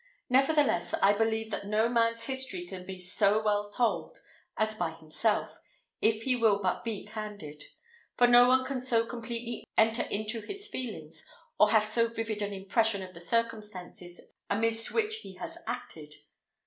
Nevertheless, I believe that no man's history can be so well told as by himself, if he will but be candid; for no one can so completely enter into his feelings, or have so vivid an impression of the circumstances amidst which he has acted.